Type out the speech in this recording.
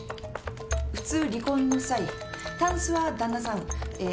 普通離婚の際たんすは旦那さんえー